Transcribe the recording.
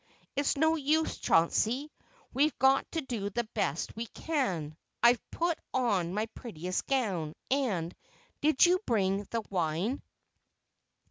It's no use, Chauncey, we've got to do the best we can. I've put on my prettiest gown, and—did you bring the wine?"